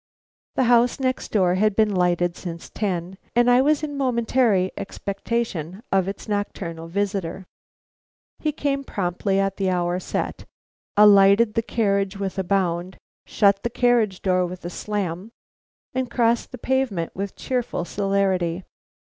The house next door had been lighted since ten, and I was in momentary expectation of its nocturnal visitor. He came promptly at the hour set, alighted from the carriage with a bound, shut the carriage door with a slam, and crossed the pavement with cheerful celerity.